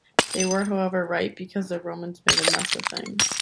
They were however right, because the Romans made a mess of things.